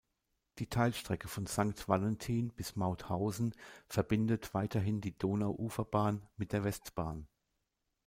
Die Teilstrecke von Sankt Valentin bis Mauthausen verbindet weiterhin die Donauuferbahn mit der Westbahn.